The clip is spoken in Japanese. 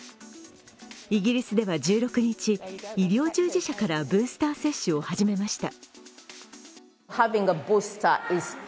イギリスでは１６日、医療従事者からブースター接種を始めました。